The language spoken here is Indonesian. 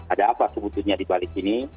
ada apa sebutunya di balik sini